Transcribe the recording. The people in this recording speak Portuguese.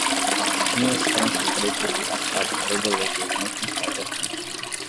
tinhas tranças pretas e caçavas borboletas no quintal do Afonso.